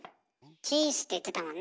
「チーッス」って言ってたもんね。